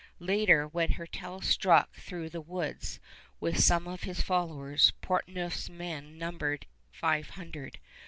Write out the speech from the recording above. Later, when Hertel struck through the woods with some of his followers, Portneuf's men numbered five hundred.